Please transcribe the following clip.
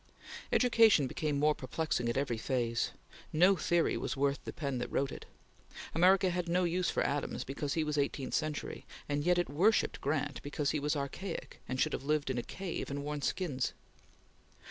Education became more perplexing at every phase. No theory was worth the pen that wrote it. America had no use for Adams because he was eighteenth century, and yet it worshipped Grant because he was archaic and should have lived in a cave and worn skins.